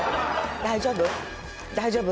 大丈夫？